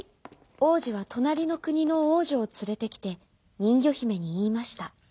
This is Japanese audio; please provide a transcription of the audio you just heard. おうじはとなりのくにのおうじょをつれてきてにんぎょひめにいいました。